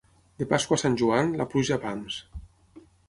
De Pasqua a Sant Joan, la pluja a pams.